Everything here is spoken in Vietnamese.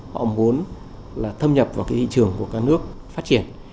họ muốn là thâm nhập vào cái thị trường của các nước phát triển